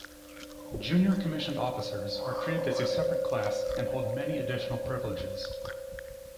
Junior commissioned officers are treated as a separate class, and hold many additional privileges.